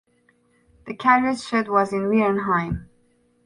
The carriage shed was in Viernheim.